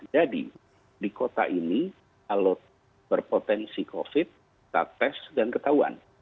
jadi di kota ini alut berpotensi covid kita tes dan ketahuan